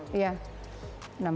kesiapan untuk menerima